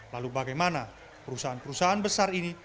lalu bagaimana perusahaan perusahaan besar ini